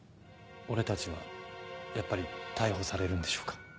俺たちはやっぱり逮捕されるんでしょうか？